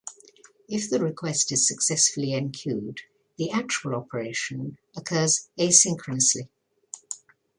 If the request is successfully enqueued, the actual operation occurs asynchronously.